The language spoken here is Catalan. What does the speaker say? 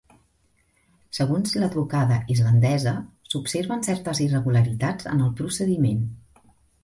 Segons l'advocada islandesa, s'observen certes irregularitats en el procediment.